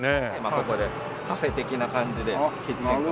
ここでカフェ的な感じでキッチンカーを。